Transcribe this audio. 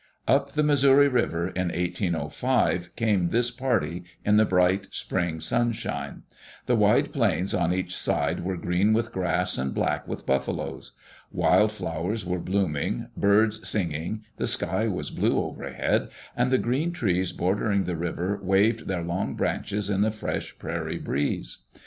Up the Missouri River, in 1805, came this party in the bright spring sunshine. The wide plains on each side were green with grass and black with buffaloes. Wild flowers were blooming, birds singing, the sky was blue overhead, and the green trees bordering the river waved their long branches in the fresh prairie breeze.